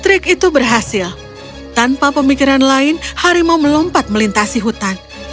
trik itu berhasil tanpa pemikiran lain harimau melompat melintasi hutan